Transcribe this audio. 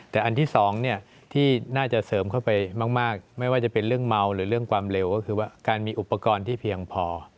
แต่อันที่๒ที่น่าจะเสริมเข้าไปมากไม่ว่าจะเป็นเรื่องเมาหรือเรื่องความเร็วก็คือว่าการมีอุปกรณ์ที่เพียงพอ